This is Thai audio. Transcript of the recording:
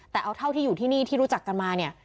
แต่เอาเท่าที่อยู่ที่นี่ที่รู้จักกันมาเนี่ย